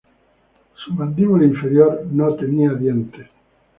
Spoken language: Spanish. Su mandíbula inferior no tenía dientes.